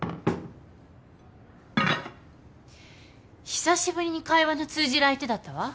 久しぶりに会話の通じる相手だったわ。